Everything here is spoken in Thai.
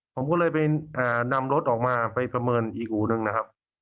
ผมก็เลยไปนำรถออกมาไปประเมินอีกอู่หนึ่งนะครับ